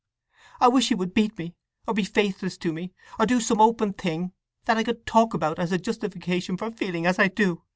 … I wish he would beat me, or be faithless to me, or do some open thing that I could talk about as a justification for feeling as I do!